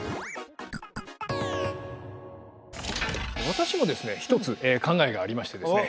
私もですね一つ考えがありましてですね